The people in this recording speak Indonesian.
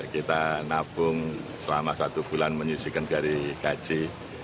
kita nabung selama satu bulan menyusun dari gaji